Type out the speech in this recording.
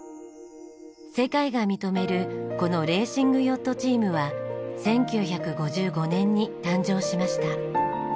世界が認めるこのレーシングヨットチームは１９５５年に誕生しました。